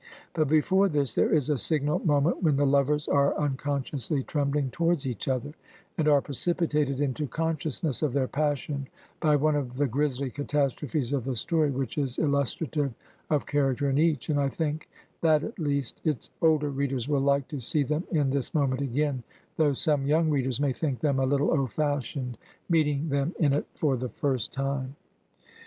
But before this there is a signal moment when the lovers are unconsciously trembling towards each other, and are precipitated into conscious ness of their passion by one of the grisly catastrophes of the story, which is illustrative of character in each; and I think that at least its older readers will like to see them in this moment again, though some young readers may think them a little old fashioned, meeting them in it for the first time.